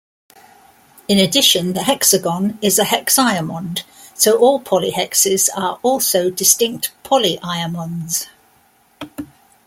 In addition, the hexagon is a hexiamond, so all polyhexes are also distinct polyiamonds.